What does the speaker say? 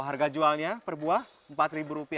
harga jualnya per buah rp empat